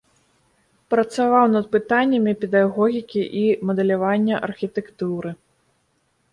Працаваў над пытаннямі педагогікі і мадэлявання архітэктуры.